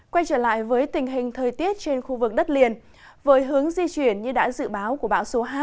quay trở lại với tình hình thời tiết trên khu vực đất liền với hướng di chuyển như đã dự báo của bão số hai